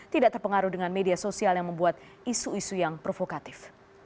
tidak terpengaruh dengan media sosial yang membuat isu isu yang provokatif